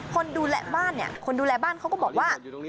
คนดูแลบ้านเนี่ยคนดูแลบ้านเขาก็บอกว่า